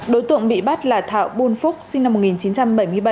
đối tượng bị bắt là thạo buôn phúc sinh năm một nghìn chín trăm bảy mươi bảy